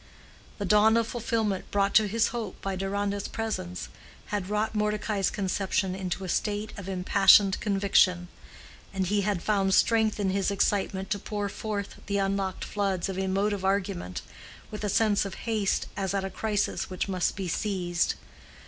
The dawn of fulfillment brought to his hope by Deronda's presence had wrought Mordecai's conception into a state of impassioned conviction, and he had found strength in his excitement to pour forth the unlocked floods of emotive argument, with a sense of haste as at a crisis which must be seized.